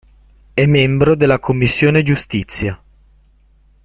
È membro della Commissione Giustizia.